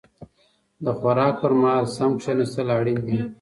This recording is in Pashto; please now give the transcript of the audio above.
د خوراک پر مهال سم کيناستل اړين دي.